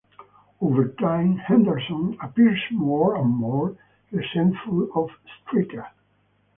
Over time Henderson appears more and more resentful of Straker.